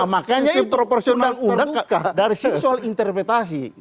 makanya itu undang undang dari situ soal interpretasi